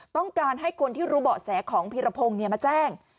ต้องการให้คนที่รู้เบาะแสของพีรพงศ์มาแจ้ง